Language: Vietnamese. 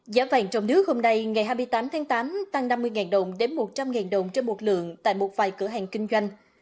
giá vàng trong nước hôm nay ngày hai mươi tám tháng tám tăng năm mươi đồng đến một trăm linh đồng trên một lượng tại một vài cửa hàng kinh doanh